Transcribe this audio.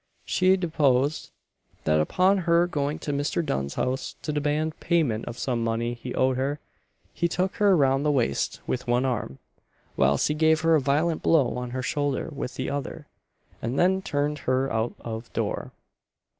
She deposed, that upon her going to Mr. Dunn's house to demand payment of some money he owed her, he took her round the waist with one arm, whilst he gave her a violent blow on her shoulder with the other, and then turned her out of door.